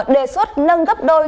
đề xuất nâng gấp đôi